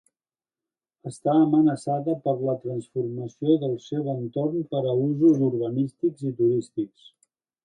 Està amenaçada per la transformació del seu entorn per a usos urbanístics i turístics.